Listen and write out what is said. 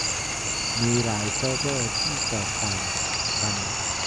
มีหลายเซิร์ฟเวอร์ที่ต่างคนต่างรัน